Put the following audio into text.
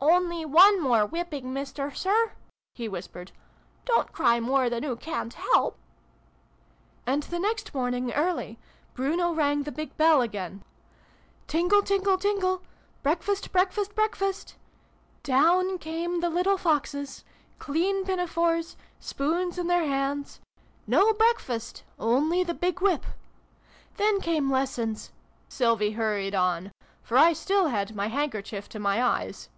" Only one more whipping, Mister Sir !" he whispered. " Don't cry more than oo ca'n't help !") "And the next morning early, Bruno rang the big bell again. ' Tingle, tingle, tingle ! Breakfast, breakfast, breakfast !' Down came the little Foxes ! Clean pinafores ! Spoons in their hands ! No breakfast ! Only the big whip ! Then came lessons," Sylvie hurried on, for I still had my handkerchief to my eyes.